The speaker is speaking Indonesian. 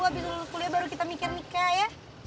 abis kuliah baru kita mikir nikah ya